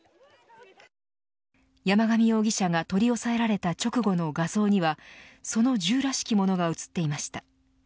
山上容疑者が取り押さえられた直後の画像にはその銃らしきものが写っていました。